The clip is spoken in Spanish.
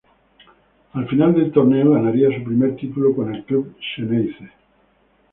Al final del torneo ganaría su primer título con el club xeneize.